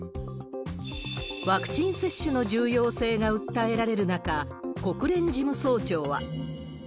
ワクチン接種の重要性が訴えられる中、国連事務総長は。